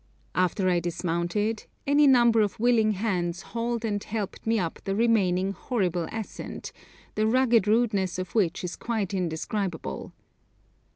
After I dismounted, any number of willing hands hauled and helped me up the remaining horrible ascent, the rugged rudeness of which is quite indescribable.